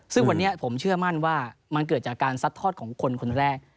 ซึ่งวันนี้ผมเชื่อมั่นว่ามันเกิดจากการซัดทอดของคนคนแรก